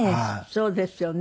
そうですよね。